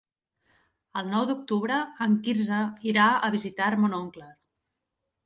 El nou d'octubre en Quirze irà a visitar mon oncle.